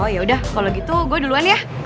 ya udah kalau gitu gue duluan ya